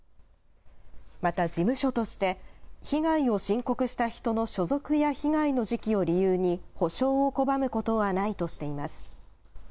また事務所として、被害を申告した人の所属や被害の時期を理由に補償を拒むことはないとしています。